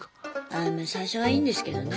あま最初はいいんですけどね